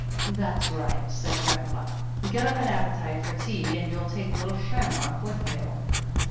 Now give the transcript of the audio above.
"That's right," said Grandpapa. "Get up an appetite for tea. And you'll take little Shamrock with you."